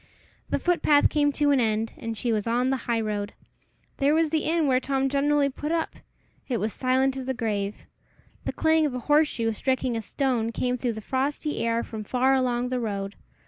The footpath came to an end, and she was on the high road. There was the inn where Tom generally put up! It was silent as the grave. The clang of a horseshoe striking a stone came through the frosty air from far along the road.